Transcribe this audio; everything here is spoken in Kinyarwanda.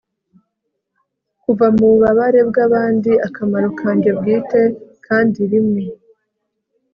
kuva mububabare bwabandi akamaro kanjye bwite kandi rimwe